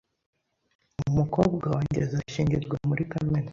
Umukobwa wanjye azashyingirwa muri Kamena .